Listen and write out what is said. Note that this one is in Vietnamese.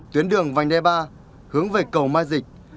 tuyến đường vành đai ba hướng về cầu mai dịch